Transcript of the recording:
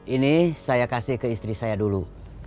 ini saya kasih ke istri saya dulu